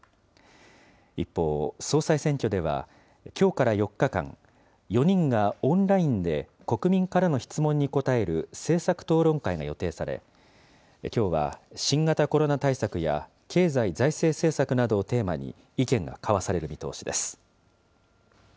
一方、総裁選挙では、きょうから４日間、４人がオンラインで国民からの質問に答える政策討論会が予定され、きょうは新型コロナ対策や、経済・財政政策をテーマに意見が交わされる見通しです。